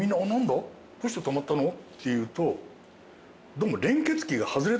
どうして止まったの？」って言うとどうも。